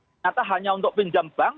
ternyata hanya untuk pinjam bank